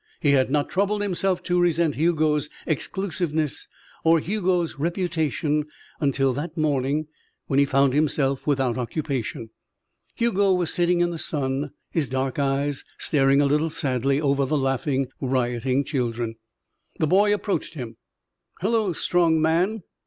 He had not troubled himself to resent Hugo's exclusiveness or Hugo's reputation until that morning when he found himself without occupation. Hugo was sitting in the sun, his dark eyes staring a little sadly over the laughing, rioting children. The boy approached him. "Hello, strong man."